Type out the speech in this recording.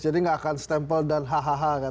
jadi nggak akan stempel dan hahaha